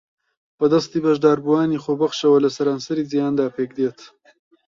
بە دەستی بەشداربووانی خۆبەخشەوە لە سەرانسەری جیھاندا پێکدێت